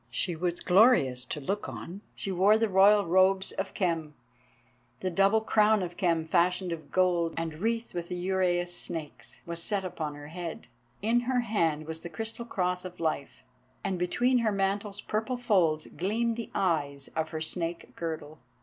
She was glorious to look on. She wore the royal robes of Khem, the double crown of Khem fashioned of gold, and wreathed with the uraeus snakes, was set upon her head; in her hand was the crystal cross of Life, and between her mantle's purple folds gleamed the eyes of her snake girdle.